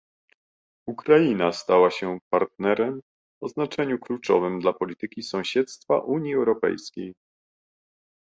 Ukraina stała się partnerem o znaczeniu kluczowym dla polityki sąsiedztwa Unii Europejskiej